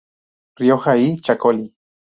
Rioja y Chacolí.